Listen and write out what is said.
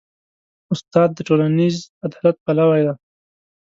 استاد د ټولنیز عدالت پلوی دی.